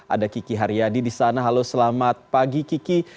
ada kiki haryadi di sana halo selamat pagi kiki